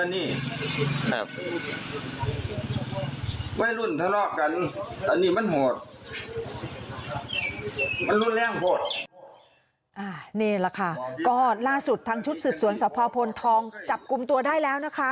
นี่แหละค่ะก็ล่าสุดทางชุดสืบสวนสพพลทองจับกลุ่มตัวได้แล้วนะคะ